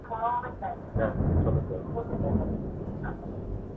যা চলে যাও।